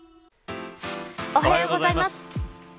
おはようございます。